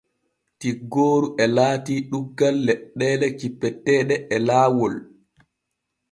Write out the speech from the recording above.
Tiggooru e laati ɗuuggal leɗɗeele cippeteeɗe e laawol.